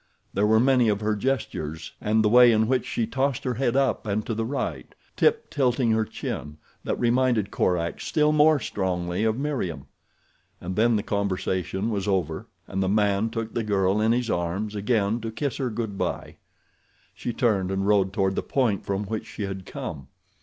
There were many of her gestures, and the way in which she tossed her head up and to the right, tip tilting her chin, that reminded Korak still more strongly of Meriem. And then the conversation was over and the man took the girl in his arms again to kiss her good bye. She turned and rode toward the point from which she had come.